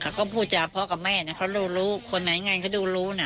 เขาก็พูดจาพ่อกับแม่นะเขารู้รู้คนไหนไงเขาดูรู้นะ